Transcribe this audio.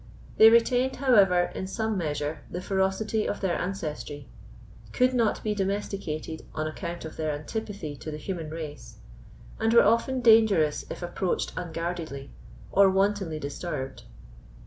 They retained, however, in some measure, the ferocity of their ancestry, could not be domesticated on account of their antipathy to the human race, and were often dangerous if approached unguardedly, or wantonly disturbed.